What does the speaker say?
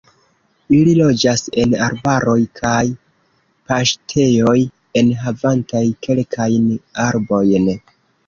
Ili loĝas en arbaroj kaj paŝtejoj enhavantaj kelkajn arbojn.